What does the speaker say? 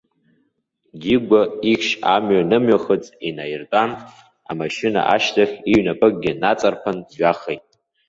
Дигәа ихьшь амҩа нымҩахыҵ инаиртәан, амашьына ашьҭахь иҩнапыкгьы наҵарԥан дҩахеит.